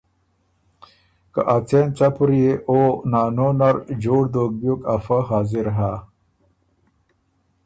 که ا څېن څپُر يې او نانو نر جوړ دوک بیوک افۀ حاضر هۀ۔